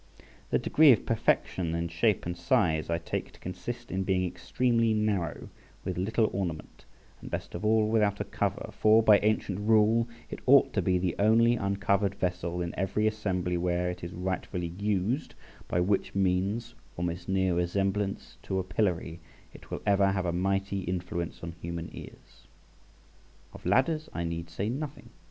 The degree of perfection in shape and size I take to consist in being extremely narrow, with little ornament, and, best of all, without a cover; for, by ancient rule, it ought to be the only uncovered vessel in every assembly where it is rightfully used, by which means, from its near resemblance to a pillory, it will ever have a mighty influence on human ears. Of Ladders I need say nothing.